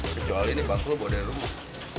kecuali ini bangku lo bawa dari rumah